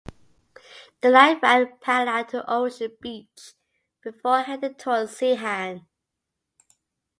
The line ran parallel to Ocean Beach before heading towards Zeehan.